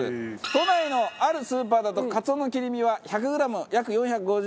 都内のあるスーパーだとカツオの切り身は１００グラム約４５０円ですが。